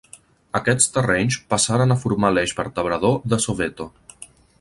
Aquests terrenys passaren a formar l'eix vertebrador de Soweto.